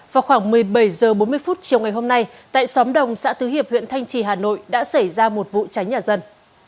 vào khoảng một mươi bảy h bốn mươi chiều ngày hôm nay tại xóm đồng xã tứ hiệp huyện thanh trì hà nội đã xảy ra một vụ cháy nhà dân